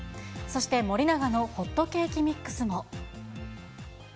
そして森永のホットケーキミックスも。